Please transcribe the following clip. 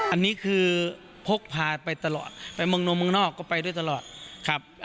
อันนี้คือพกพาไปตลอดไปเมืองนมเมืองนอกก็ไปด้วยตลอดครับ